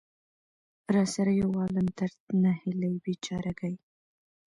را سره يو عالم درد، ناهيلۍ ،بېچاره ګۍ.